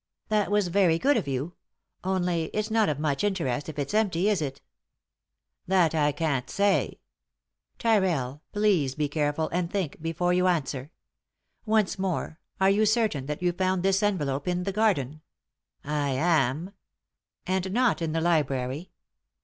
"That was very good of you. Only — it's not of much interest if it's empty, is it ?" "That I can't say." " Tyrrell, please be careful, and think, before you answer. Once more, are you certain that you found this envelope in the garden ?" "I am." "And not in the library?"